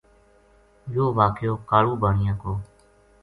یوہ واقعو کالو بانیا کو